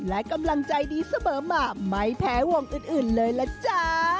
และกำลังใจดีเสมอมาไม่แพ้วงอื่นเลยล่ะจ๊ะ